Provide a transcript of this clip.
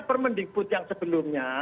permending boot yang sebelumnya